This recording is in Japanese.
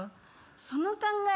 その考え